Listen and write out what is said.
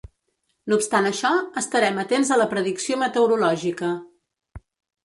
No obstant això, estarem atents a la predicció meteorològica.